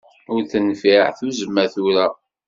Ur tenfiɛ tuzzma, tura.